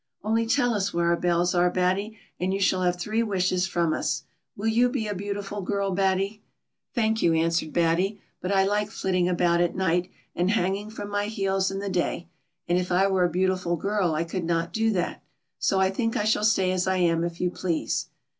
Only tell us where our bells are, Batty, and you shall have three wishes from us. Will you be a beautiful girl, Batty .'" "Thank you," answered Batty; "but I like flitting about at night, and hanging from my heels in the day, and if I were a beautiful girl, I could not do that ; so I think I shall stay as I am, if you please."